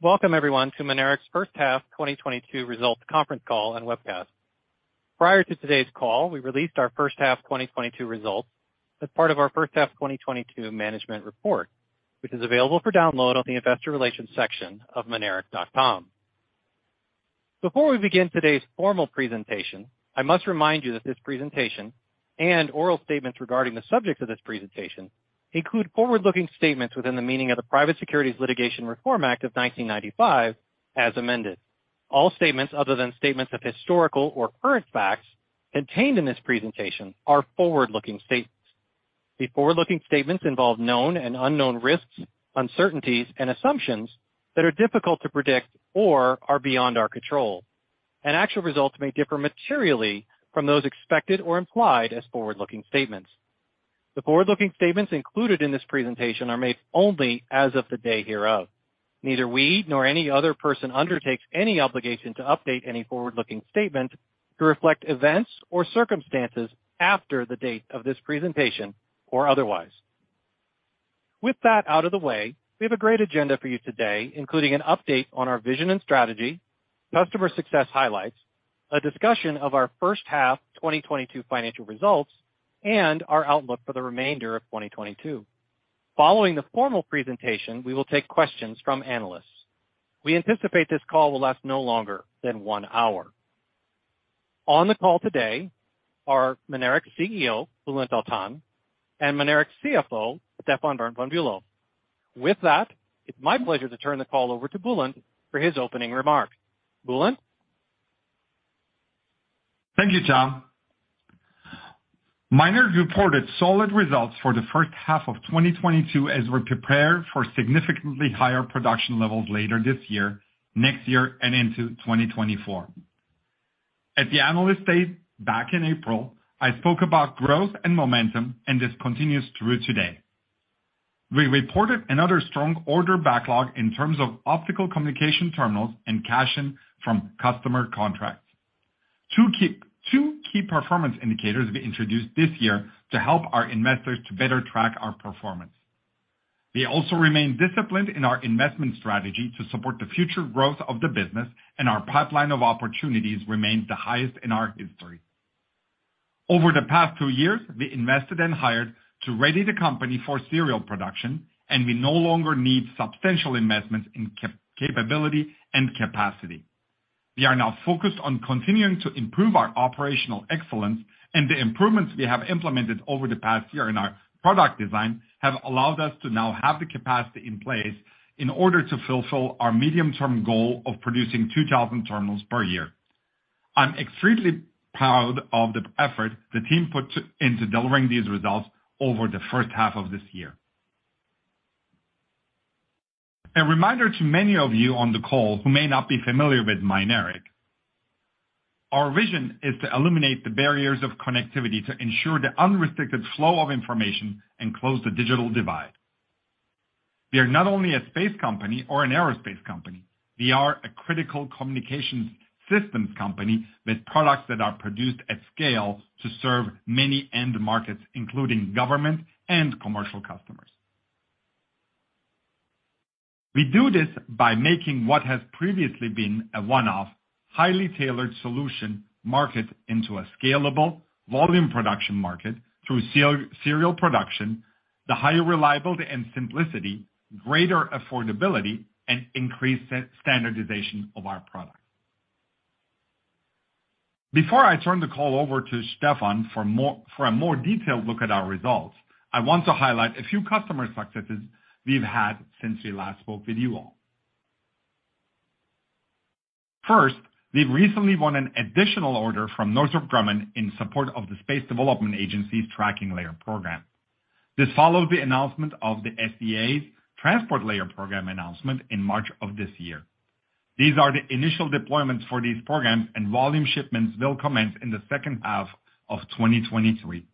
Welcome everyone to Mynaric's first half 2022 results conference call and webcast. Prior to today's call, we released our first half 2022 results as part of our first half 2022 management report, which is available for download on the investor relations section of mynaric.com. Before we begin today's formal presentation, I must remind you that this presentation and oral statements regarding the subject of this presentation include forward-looking statements within the meaning of the Private Securities Litigation Reform Act of 1995, as amended. All statements other than statements of historical or current facts contained in this presentation are forward-looking statements. The forward-looking statements involve known and unknown risks, uncertainties, and assumptions that are difficult to predict or are beyond our control. Actual results may differ materially from those expected or implied as forward-looking statements. The forward-looking statements included in this presentation are made only as of the day hereof. Neither we nor any other person undertakes any obligation to update any forward-looking statement to reflect events or circumstances after the date of this presentation or otherwise. With that out of the way, we have a great agenda for you today, including an update on our vision and strategy, customer success highlights, a discussion of our first half 2022 financial results, and our outlook for the remainder of 2022. Following the formal presentation, we will take questions from analysts. We anticipate this call will last no longer than one hour. On the call today are Mynaric's CEO, Bulent Altan, and Mynaric's CFO, Stefan Berndt-von Bülow. With that, it's my pleasure to turn the call over to Bulent for his opening remarks. Bulent? Thank you, Tom. Mynaric reported solid results for the first half of 2022 as we prepare for significantly higher production levels later this year, next year, and into 2024. At the analyst day back in April, I spoke about growth and momentum, and this continues through today. We reported another strong order backlog in terms of optical communication terminals and cash in from customer contracts. Two key performance indicators we introduced this year to help our investors to better track our performance. We also remain disciplined in our investment strategy to support the future growth of the business, and our pipeline of opportunities remains the highest in our history. Over the past two years, we invested and hired to ready the company for serial production, and we no longer need substantial investments in capability and capacity. We are now focused on continuing to improve our operational excellence, and the improvements we have implemented over the past year in our product design have allowed us to now have the capacity in place in order to fulfill our medium-term goal of producing 2,000 terminals per year. I'm extremely proud of the effort the team put into delivering these results over the first half of this year. A reminder to many of you on the call who may not be familiar with Mynaric. Our vision is to eliminate the barriers of connectivity to ensure the unrestricted flow of information and close the digital divide. We are not only a space company or an aerospace company, we are a critical communications systems company with products that are produced at scale to serve many end markets, including government and commercial customers. We do this by making what has previously been a one-off, highly tailored solution market into a scalable volume production market through serial production, the higher reliability and simplicity, greater affordability, and increased standardization of our products. Before I turn the call over to Stefan for a more detailed look at our results, I want to highlight a few customer successes we've had since we last spoke with you all. First, we've recently won an additional order from Northrop Grumman in support of the Space Development Agency's Tracking Layer program. This follows the announcement of the SDA's Transport Layer program announcement in March of this year. These are the initial deployments for these programs, and volume shipments will commence in the second half of 2023.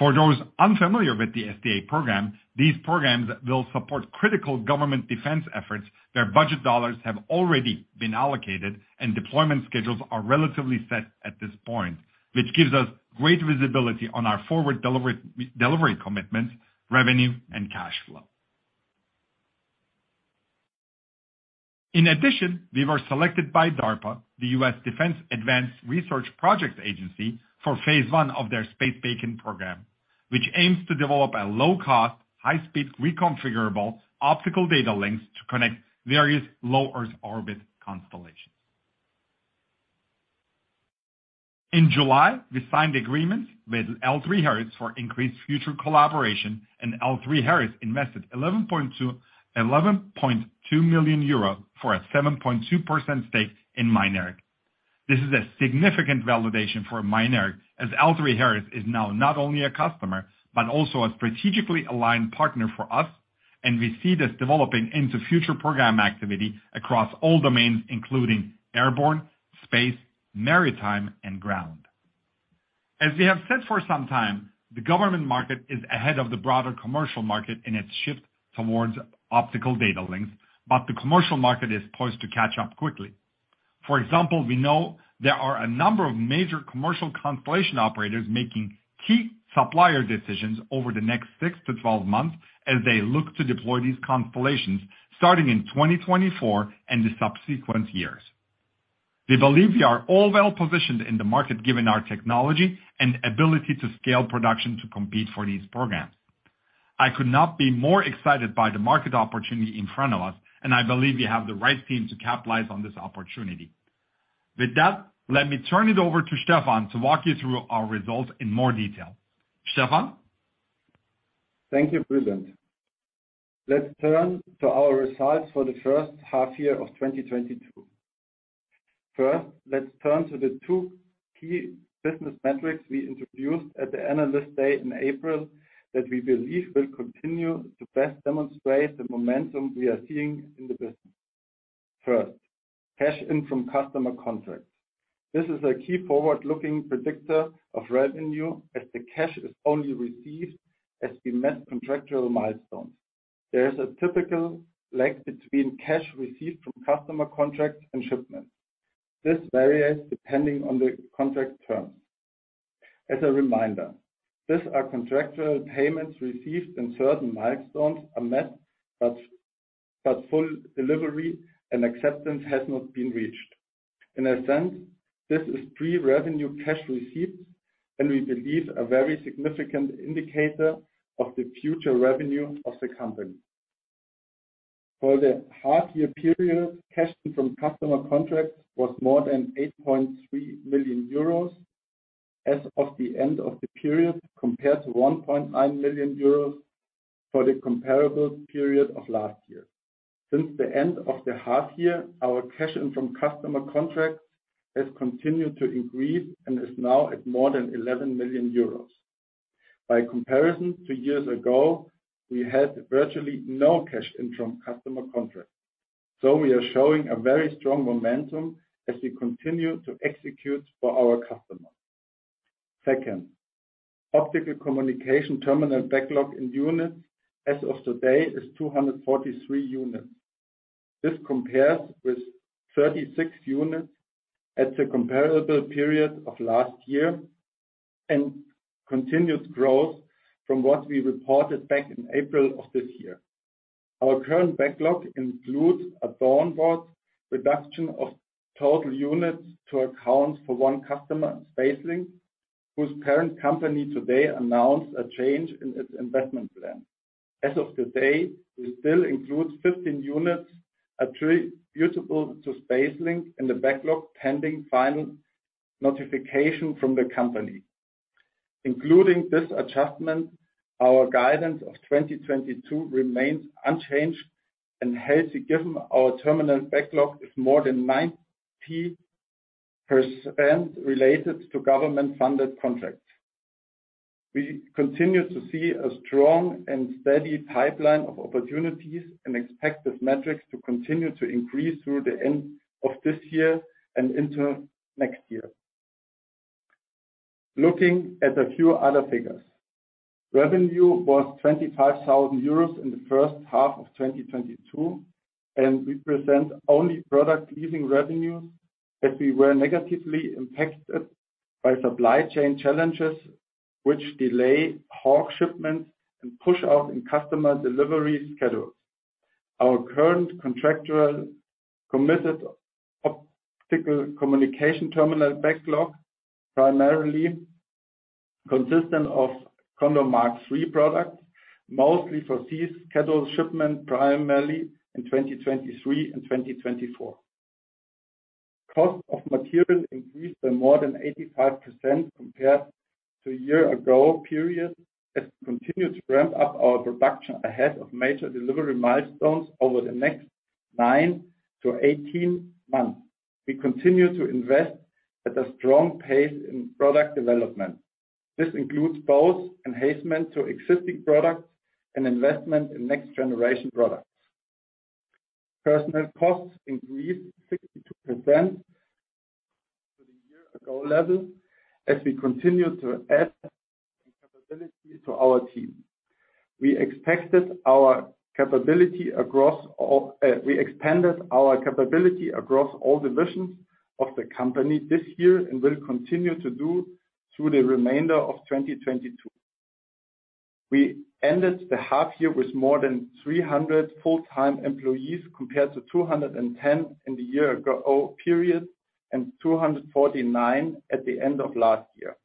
For those unfamiliar with the SDA program, these programs will support critical government defense efforts where budget dollars have already been allocated and deployment schedules are relatively set at this point, which gives us great visibility on our forward delivery commitments, revenue, and cash flow. In addition, we were selected by DARPA, the U.S. Defense Advanced Research Projects Agency, for Phase 1 of their Space-BACN program, which aims to develop a low-cost, high-speed, reconfigurable optical data links to connect various low-Earth orbit constellations. In July, we signed agreements with L3Harris for increased future collaboration, and L3Harris invested 11.2 million euro for a 7.2% stake in Mynaric. This is a significant validation for Mynaric as L3Harris is now not only a customer but also a strategically aligned partner for us, and we see this developing into future program activity across all domains, including airborne, space, maritime, and ground. As we have said for some time, the government market is ahead of the broader commercial market in its shift towards optical data links, but the commercial market is poised to catch up quickly. For example, we know there are a number of major commercial constellation operators making key supplier decisions over the next six to 12 months as they look to deploy these constellations starting in 2024 and the subsequent years. We believe we are all well-positioned in the market, given our technology and ability to scale production to compete for these programs. I could not be more excited by the market opportunity in front of us, and I believe we have the right team to capitalize on this opportunity. With that, let me turn it over to Stefan to walk you through our results in more detail. Stefan? Thank you, Bulent. Let's turn to our results for the first half-year of 2022. First, let's turn to the two key business metrics we introduced at the analyst day in April that we believe will continue to best demonstrate the momentum we are seeing in the business. First, cash in from customer contracts. This is a key forward-looking predictor of revenue as the cash is only received as we met contractual milestones. There is a typical lag between cash received from customer contracts and shipments. This varies depending on the contract terms. As a reminder, these are contractual payments received when certain milestones are met, but full delivery and acceptance has not been reached. In a sense, this is pre-revenue cash receipts and we believe a very significant indicator of the future revenue of the company. For the half year period, cash in from customer contracts was more than 8.3 million euros as of the end of the period, compared to 1.9 million euros for the comparable period of last year. Since the end of the half year, our cash in from customer contracts has continued to increase and is now at more than 11 million euros. By comparison, two years ago, we had virtually no cash in from customer contracts. We are showing a very strong momentum as we continue to execute for our customers. Second, optical communication terminal backlog in units as of today is 243 units. This compares with 36 units at the comparable period of last year and continued growth from what we reported back in April of this year. Our current backlog includes an downward reduction of total units to account for one customer, SpaceLink, whose parent company today announced a change in its investment plan. As of today, we still include 15 units attributable to SpaceLink in the backlog pending final notification from the company. Including this adjustment, our guidance of 2022 remains unchanged and healthy, given our terminal backlog is more than 90% related to government-funded contracts. We continue to see a strong and steady pipeline of opportunities and expect these metrics to continue to increase through the end of this year and into next year. Looking at a few other figures. Revenue was 25,000 euros in the first half of 2022 and represent only product leasing revenues as we were negatively impacted by supply chain challenges which delay HAWK shipments and push out customer delivery schedules. Our current contractual committed optical communication terminal backlog primarily consisted of CONDOR Mk3 products, mostly for these scheduled shipment primarily in 2023 and 2024. Cost of materials increased by more than 85% compared to year-ago period as we continue to ramp up our production ahead of major delivery milestones over the next 9 to 18 months. We continue to invest at a strong pace in product development. This includes both enhancement to existing products and investment in next generation products. Personnel costs increased 62% to the year-ago level as we continue to add capability to our team. We expanded our capability across all divisions of the company this year and will continue to do through the remainder of 2022. We ended the half year with more than 300 full-time employees compared to 210 in the year ago period and 249 at the end of last year.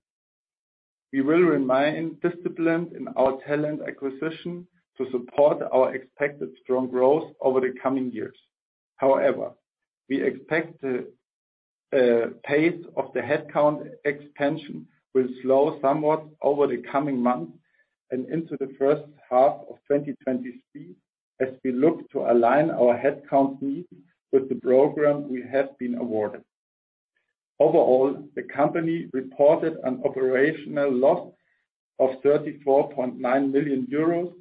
We will remain disciplined in our talent acquisition to support our expected strong growth over the coming years. However, we expect the pace of the headcount expansion will slow somewhat over the coming months and into the first half of 2023 as we look to align our headcount needs with the program we have been awarded. Overall, the company reported an operational loss of 34.9 million euros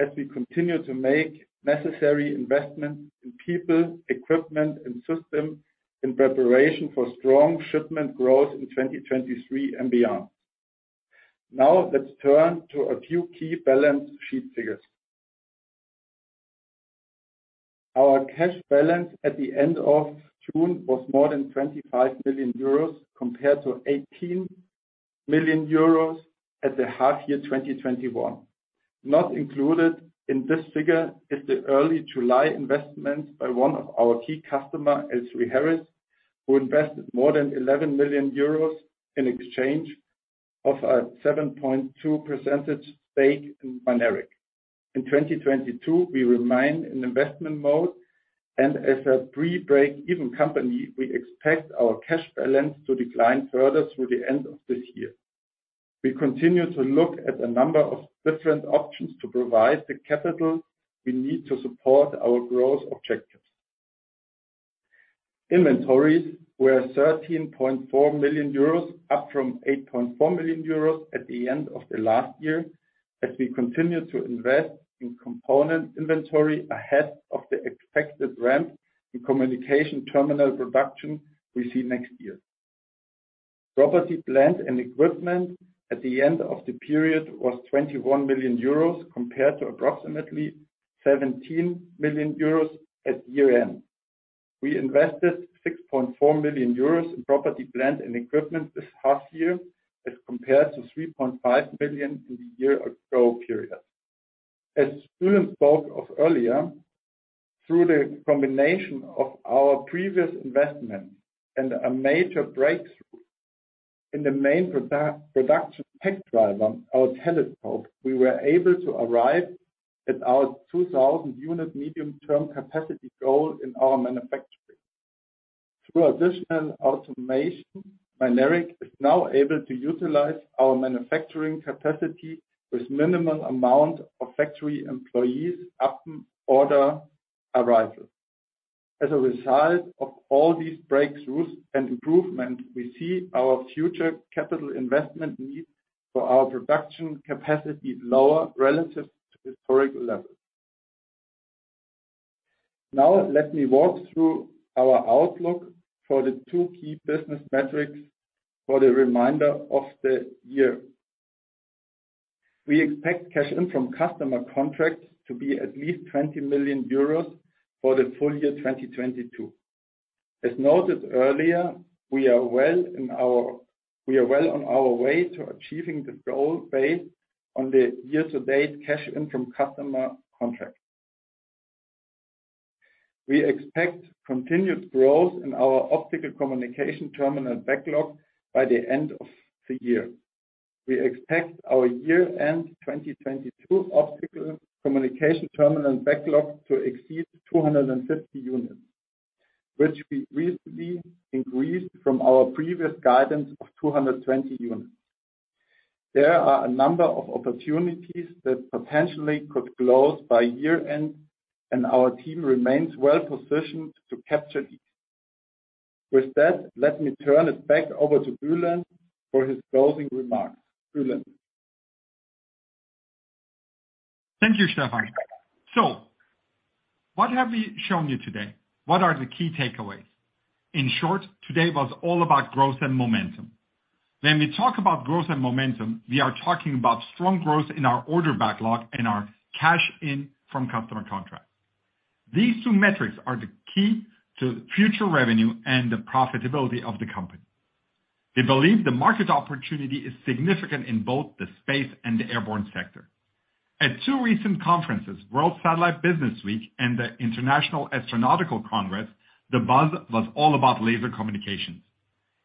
as we continue to make necessary investments in people, equipment, and systems in preparation for strong shipment growth in 2023 and beyond. Now let's turn to a few key balance sheet figures. Our cash balance at the end of June was more than 25 million euros compared to 18 million euros at the half year 2021. Not included in this figure is the early July investment by one of our key customers, L3Harris, who invested more than 11 million euros in exchange of a 7.2% stake in Mynaric. In 2022, we remain in investment mode and as a pre-break-even company, we expect our cash balance to decline further through the end of this year. We continue to look at a number of different options to provide the capital we need to support our growth objectives. Inventories were 13.4 million euros, up from 8.4 million euros at the end of the last year, as we continue to invest in component inventory ahead of the expected ramp in communication terminal production we see next year. Property, plant, and equipment at the end of the period was 21 million euros compared to approximately 17 million euros at year-end. We invested 6.4 million euros in property, plant, and equipment this half year, as compared to 3.5 million in the year-ago period. Bulent spoke of earlier, through the combination of our previous investment and a major breakthrough in the main production, [inaudible] our telescope, we were able to arrive at our 2,000 unit medium-term capacity goal in our manufacturing. Through additional automation, Mynaric is now able to utilize our manufacturing capacity with minimal amount of factory employees upon order arrival. As a result of all these breakthroughs and improvement, we see our future capital investment need for our production capacity lower relative to historic levels. Now let me walk through our outlook for the two key business metrics for the remainder of the year. We expect cash in from customer contracts to be at least 20 million euros for the full year 2022. As noted earlier, we are well on our way to achieving the goal based on the year-to-date cash in from customer contracts. We expect continued growth in our optical communication terminal backlog by the end of the year. We expect our year-end 2022 optical communication terminal backlog to exceed 250 units, which we recently increased from our previous guidance of 220 units. There are a number of opportunities that potentially could close by year-end, and our team remains well-positioned to capture these. With that, let me turn it back over to Bulent for his closing remarks. Bulent. Thank you, Stefan. What have we shown you today? What are the key takeaways? In short, today was all about growth and momentum. When we talk about growth and momentum, we are talking about strong growth in our order backlog and our cash in from customer contracts. These two metrics are the key to future revenue and the profitability of the company. We believe the market opportunity is significant in both the space and the airborne sector. At two recent conferences, World Satellite Business Week and the International Astronautical Congress, the buzz was all about laser communications.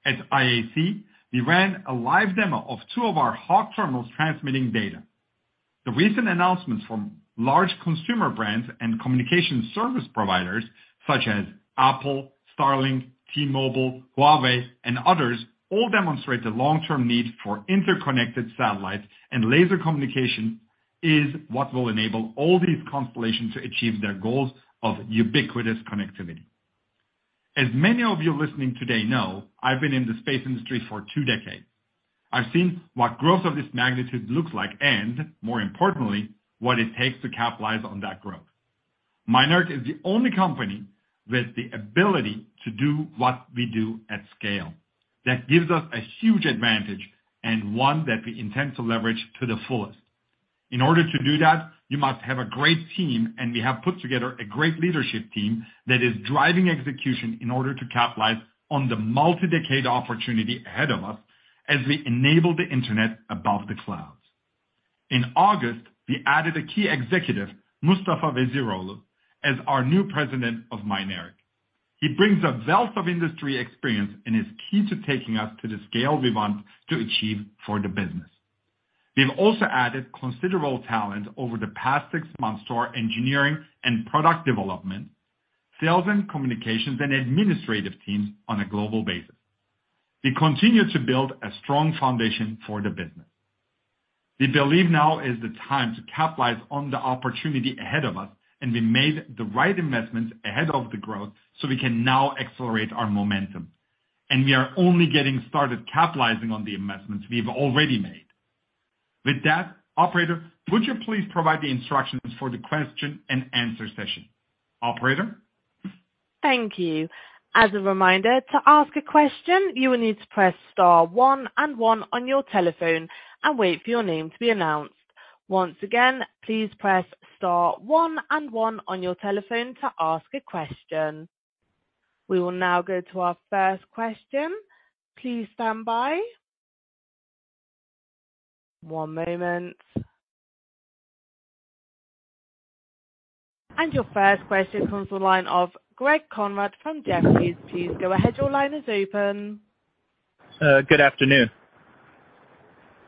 At IAC, we ran a live demo of two of our HAWK terminals transmitting data. The recent announcements from large consumer brands and communication service providers such as Apple, Starlink, T-Mobile, Huawei, and others all demonstrate the long-term need for interconnected satellites, and laser communication is what will enable all these constellations to achieve their goals of ubiquitous connectivity. As many of you listening today know, I've been in the space industry for two decades. I've seen what growth of this magnitude looks like, and more importantly, what it takes to capitalize on that growth. Mynaric is the only company with the ability to do what we do at scale. That gives us a huge advantage and one that we intend to leverage to the fullest. In order to do that, you must have a great team, and we have put together a great leadership team that is driving execution in order to capitalize on the multi-decade opportunity ahead of us as we enable the internet above the clouds. In August, we added a key executive, Mustafa Veziroglu, as our new President of Mynaric. He brings a wealth of industry experience and is key to taking us to the scale we want to achieve for the business. We've also added considerable talent over the past six months to our engineering and product development, sales and communications, and administrative teams on a global basis. We continue to build a strong foundation for the business. We believe now is the time to capitalize on the opportunity ahead of us, and we made the right investments ahead of the growth, so we can now accelerate our momentum. We are only getting started capitalizing on the investments we've already made. With that, operator, would you please provide the instructions for the question-and-answer session? Operator? Thank you. As a reminder to ask a question, you will need to press star one and one on your telephone and wait for your name to be announced. Once again, please press star one and one on your telephone to ask a question. We will now go to our first question. Please stand by. One moment. Your first question comes from the line of Greg Konrad from Jefferies. Please go ahead. Your line is open. Good afternoon.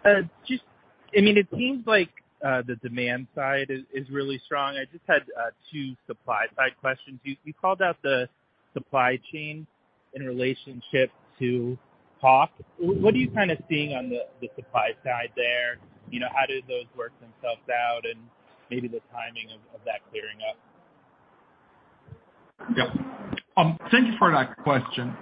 I mean, it seems like the demand side is really strong. I just had two supply side questions. You called out the supply chain in relationship to HAWK. What are you kinda seeing on the supply side there? You know, how do those work themselves out and maybe the timing of that clearing up? Yeah. Thank you for that question.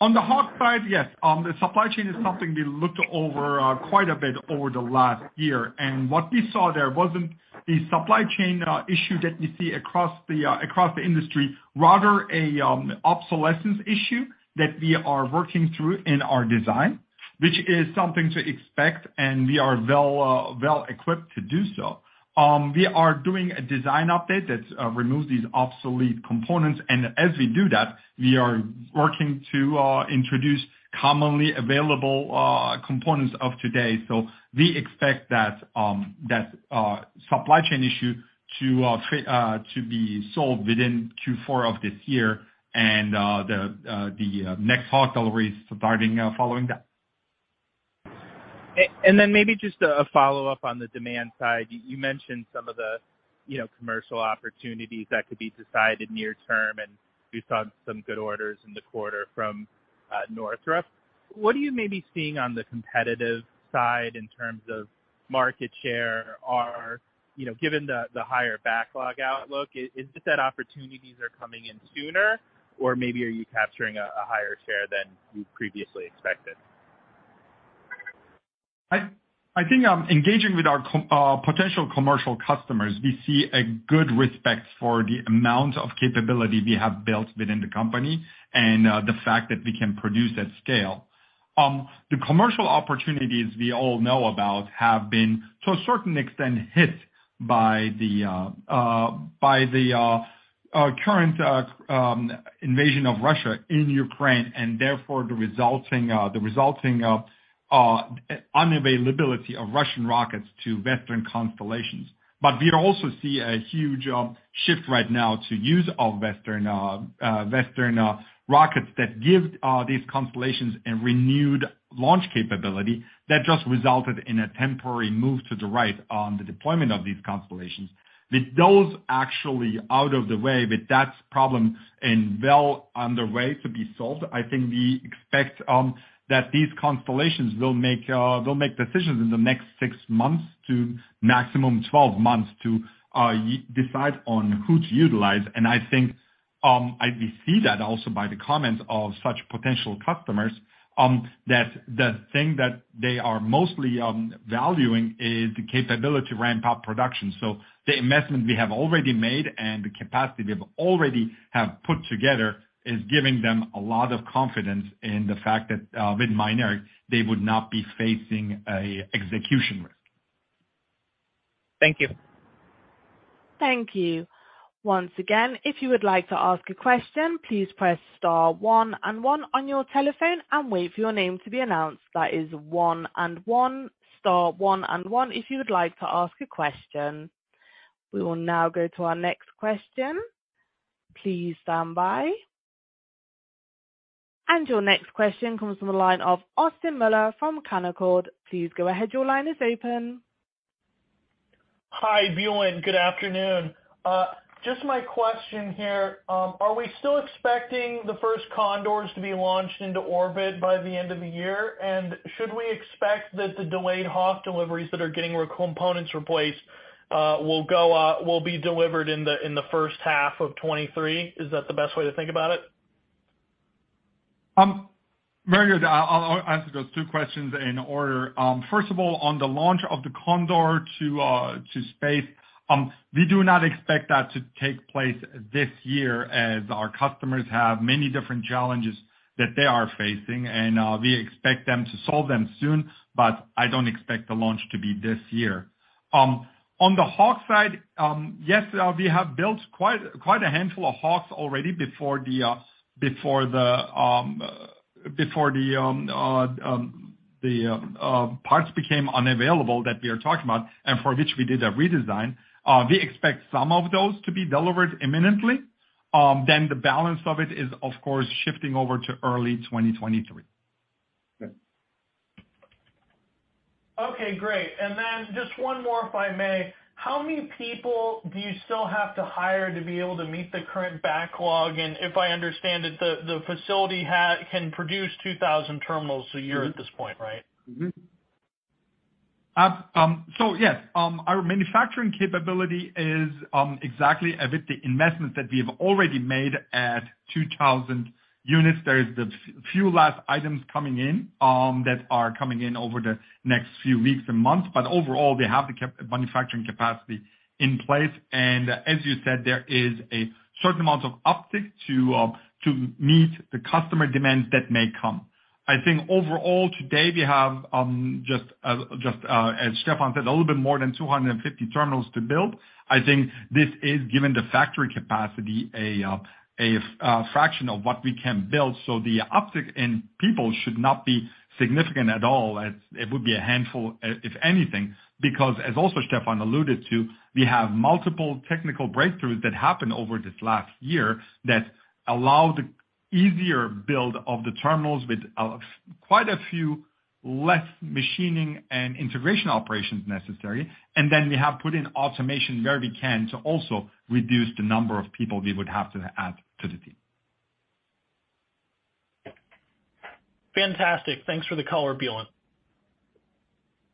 On the HAWK side, yes, the supply chain is something we looked over quite a bit over the last year. What we saw there wasn't the supply chain issue that you see across the industry, rather an obsolescence issue that we are working through in our design, which is something to expect and we are well equipped to do so. We are doing a design update that removes these obsolete components. As we do that, we are working to introduce commonly available components of today. We expect that supply chain issue to be solved within Q4 of this year and the next HAWK deliveries starting following that. Maybe just a follow-up on the demand side. You mentioned some of the, you know, commercial opportunities that could be decided near term, and we saw some good orders in the quarter from Northrop. What are you maybe seeing on the competitive side in terms of market share? Or, you know, given the higher backlog outlook, is it that opportunities are coming in sooner or maybe are you capturing a higher share than you previously expected? I think engaging with our potential commercial customers, we see a good respect for the amount of capability we have built within the company and the fact that we can produce at scale. The commercial opportunities we all know about have been to a certain extent hit by the current invasion of Russia in Ukraine, and therefore the resulting unavailability of Russian rockets to Western constellations. We also see a huge shift right now to use of Western rockets that give these constellations a renewed launch capability that just resulted in a temporary move to the right on the deployment of these constellations. With those actually out of the way, with that problem now well underway to be solved, I think we expect that these constellations will make decisions in the next six months to maximum 12 months to decide on who to utilize. I think we see that also by the comments of such potential customers that the thing that they are mostly valuing is the capability to ramp up production. The investment we have already made and the capacity we've already have put together is giving them a lot of confidence in the fact that with Mynaric, they would not be facing an execution risk. Thank you. Thank you. Once again, if you would like to ask a question, please press star one and one on your telephone and wait for your name to be announced. That is one and one. Star one and one if you would like to ask a question. We will now go to our next question. Please stand by. Your next question comes from the line of Austin Moeller from Canaccord. Please go ahead. Your line is open. Hi, Bulent Altan. Good afternoon. Just my question here, are we still expecting the first CONDORs to be launched into orbit by the end of the year? Should we expect that the delayed HAWK deliveries that are getting replacement components will be delivered in the first half of 2023? Is that the best way to think about it? Very good. I'll answer those two questions in order. First of all, on the launch of the CONDOR to space, we do not expect that to take place this year as our customers have many different challenges that they are facing, and we expect them to solve them soon, but I don't expect the launch to be this year. On the HAWK side, yes, we have built quite a handful of HAWKs already before the parts became unavailable that we are talking about and for which we did a redesign. We expect some of those to be delivered imminently. The balance of it is of course shifting over to early 2023. Okay, great. Just one more if I may. How many people do you still have to hire to be able to meet the current backlog? If I understand it, the facility can produce 2,000 terminals a year at this point, right? Yes, our manufacturing capability is exactly with the investments that we have already made at 2,000 units. There are the few last items coming in that are coming in over the next few weeks and months, but overall we have the manufacturing capacity in place. As you said, there is a certain amount of uptick to meet the customer demand that may come. I think overall today we have just as Stefan said, a little bit more than 250 terminals to build. I think this is given the factory capacity a fraction of what we can build. The uptick in people should not be significant at all, as it would be a handful if anything, because as also Stefan alluded to, we have multiple technical breakthroughs that happened over this last year that allow the easier build of the terminals with quite a few less machining and integration operations necessary. We have put in automation where we can to also reduce the number of people we would have to add to the team. Fantastic. Thanks for the color, Bulent.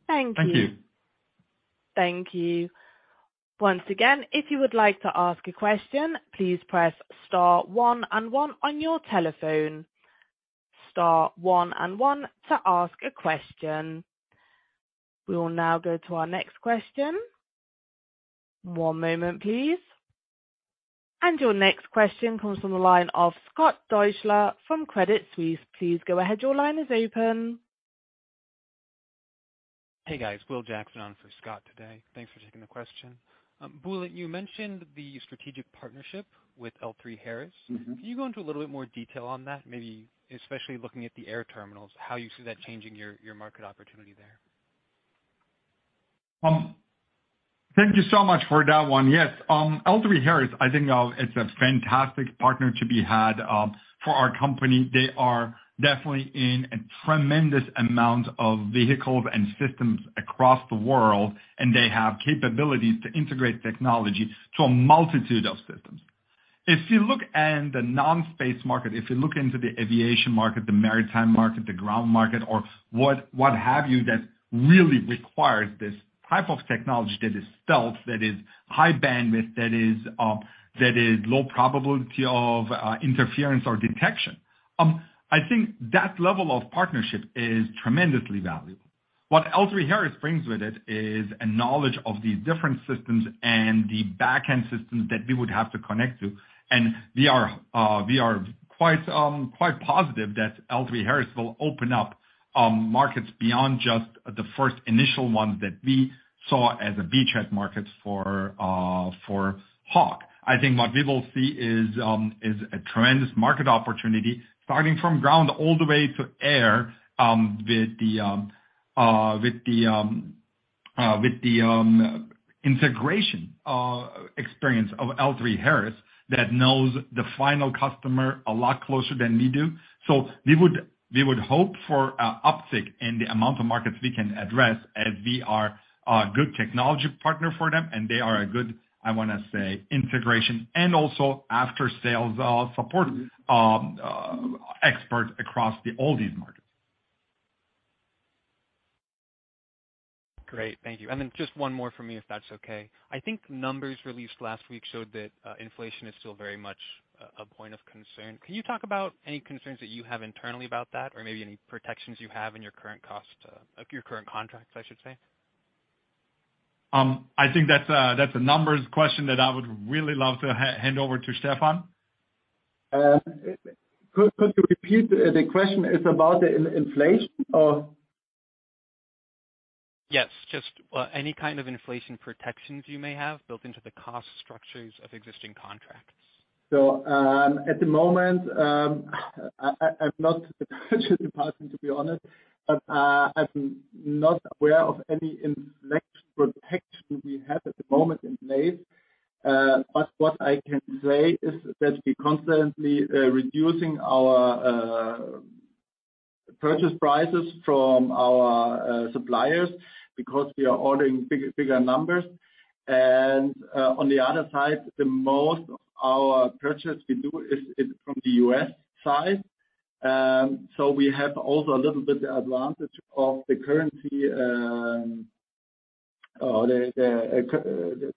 Thank you. Thank you. Once again, if you would like to ask a question, please press star one one on your telephone. Star one one to ask a question. We will now go to our next question. One moment, please. Your next question comes from the line of Scott Deuschle from Credit Suisse. Please go ahead. Your line is open. Hey, guys. Will Jackson on for Scott today. Thanks for taking the question. Bulent, you mentioned the strategic partnership with L3Harris. Can you go into a little bit more detail on that, maybe especially looking at the air terminals, how you see that changing your market opportunity there? Thank you so much for that one. Yes, L3Harris Technologies, I think, it's a fantastic partner to be had, for our company. They are definitely in a tremendous amount of vehicles and systems across the world, and they have capabilities to integrate technology to a multitude of systems. If you look in the non-space market, if you look into the aviation market, the maritime market, the ground market or what have you, that really requires this type of technology that is stealth, that is high bandwidth, that is low probability of interference or detection, I think that level of partnership is tremendously valuable. What L3Harris Technologies brings with it is a knowledge of these different systems and the back-end systems that we would have to connect to. We are quite positive that L3Harris will open up markets beyond just the first initial ones that we saw as a beachhead market for HAWK. I think what we will see is a tremendous market opportunity starting from ground all the way to air with the integration experience of L3Harris that knows the final customer a lot closer than we do. We would hope for an uptick in the amount of markets we can address as we are a good technology partner for them, and they are a good, I wanna say, integration and also after-sales support expert across all these markets. Great. Thank you. Just one more for me, if that's okay. I think numbers released last week showed that inflation is still very much a point of concern. Can you talk about any concerns that you have internally about that or maybe any protections you have in your current contracts, I should say? I think that's a numbers question that I would really love to hand over to Stefan. Could you repeat? The question is about the inflation or? Yes. Just, any kind of inflation protections you may have built into the cost structures of existing contracts. At the moment, I'm not the purchasing department, to be honest, but I'm not aware of any inflation protection we have at the moment in place. What I can say is that we're constantly reducing our purchase prices from our suppliers because we are ordering bigger numbers. On the other side, the most of our purchase we do is from the U.S. side. We have also a little bit the advantage of the currency or the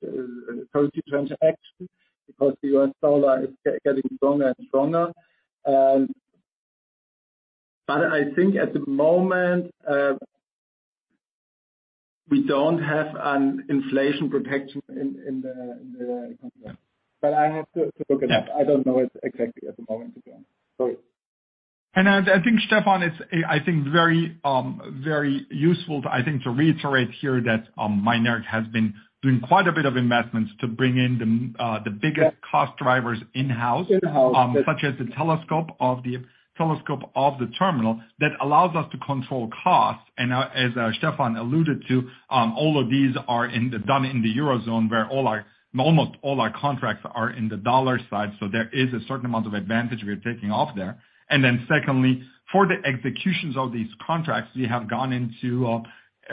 currency transaction because the U.S. dollar is getting stronger and stronger. I think at the moment we don't have an inflation protection in the contract. I have to look it up. I don't know it exactly at the moment again. Sorry. I think Stefan is, I think, very useful to, I think, to reiterate here that Mynaric has been doing quite a bit of investments to bring in the biggest cost drivers in-house. In-house. Such as the telescope of the terminal that allows us to control costs. As Stefan alluded to, all of these are done in the Eurozone where almost all our contracts are in the dollar side, so there is a certain amount of advantage we are taking off there. Secondly, for the executions of these contracts, we have gone into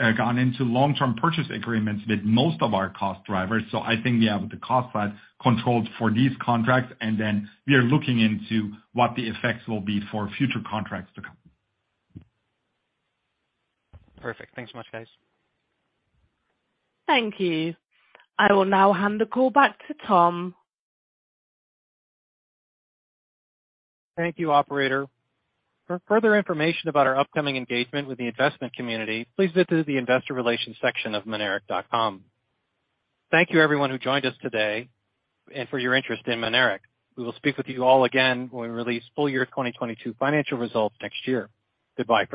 long-term purchase agreements with most of our cost drivers. I think we have the cost side controlled for these contracts, and we are looking into what the effects will be for future contracts to come. Perfect. Thanks so much, guys. Thank you. I will now hand the call back to Tom. Thank you, operator. For further information about our upcoming engagement with the investment community, please visit the investor relations section of mynaric.com. Thank you everyone who joined us today and for your interest in Mynaric. We will speak with you all again when we release full year 2022 financial results next year. Goodbye for now.